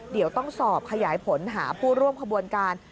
เดี๋ยวต้องสอบขยายผลหาผู้ร่วมขบวนการ